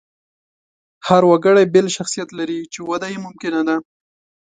هر وګړی بېل شخصیت لري، چې وده یې ممکنه ده.